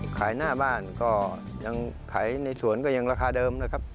ขายหน้าบ้านก็ยังขายในสวนก็ยังราคาเดิมนะครับ